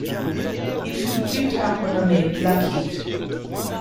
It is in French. Il fut plus tard renommé Blackheath.